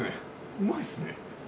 うまいっすね。